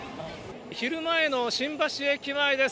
昼前の新橋駅前です。